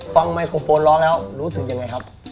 ไมโครโฟนร้องแล้วรู้สึกยังไงครับ